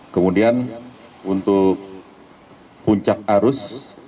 kemudian untuk puncak arus